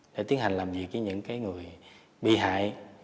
để tiến hành làm việc với những người bị hại